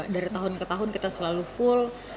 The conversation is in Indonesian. dari tahun ke tahun kita selalu full